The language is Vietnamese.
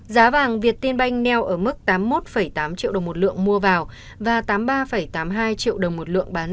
giá vàng việt tiên banh neo ở mức tám mươi một tám triệu đồng một lượng mua vào và tám mươi ba tám mươi hai triệu đồng một lượng bán